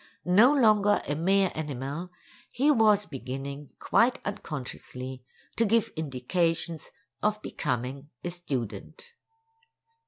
No longer a mere animal, he was beginning, quite unconsciously, to give indications of becoming a student.